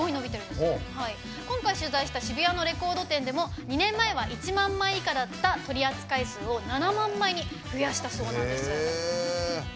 今回、取材した渋谷のレコード店でも２年前は１万枚以下だった取り扱い数を７万枚に増やしたそうなんです。